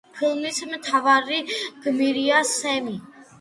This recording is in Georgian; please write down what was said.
ფილმის მთვარი გმირია სემი.